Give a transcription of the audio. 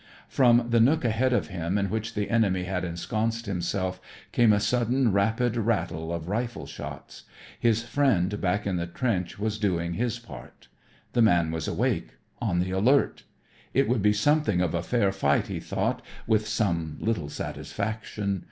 From the nook ahead of him in which the enemy had ensconced himself came a sudden rapid rattle of rifle shots. His friend back in the trench was doing his part. The man was awake on the alert. It would be something of a fair fight, he thought with some little satisfaction.